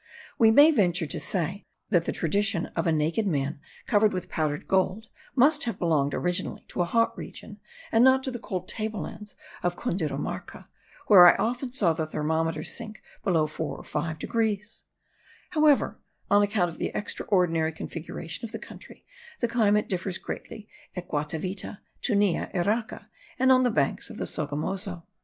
We may venture to say that the tradition of a naked man covered with powdered gold must have belonged originally to a hot region, and not to the cold table lands of Cundirumarca, where I often saw the thermometer sink below four or five degrees; however, on account of the extraordinary configuration of the country, the climate differs greatly at Guatavita, Tunja, Iraca, and on the banks of the Sogamozo.